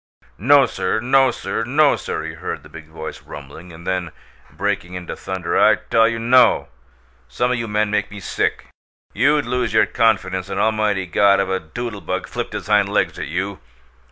"No, sir; no, sir; no, sir!" he heard the big voice rumbling, and then, breaking into thunder, "I tell you NO! Some o' you men make me sick! You'd lose your confidence in Almighty God if a doodle bug flipped his hind leg at you!